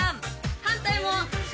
反対も。